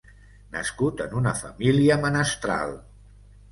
Nascut en una família menestral.